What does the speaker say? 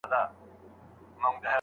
دې کوترو ته ورخلاصه لو فضا وه